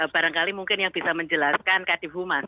barangkali mungkin yang bisa menjelaskan kadip humas